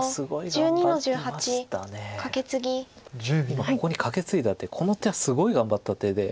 今ここにカケツイだ手この手はすごい頑張った手で。